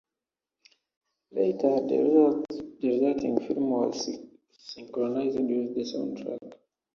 Later, the resulting film was synchronized with the soundtrack.